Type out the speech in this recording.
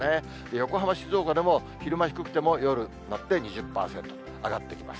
横浜、静岡でも昼間低くても夜になって２０％、上がってきます。